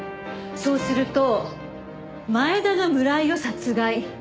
そうすると前田が村井を殺害。